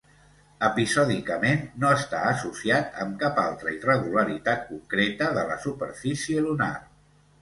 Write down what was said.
Episòdicament, no està associat amb cap altra irregularitat concreta de la superfície lunar.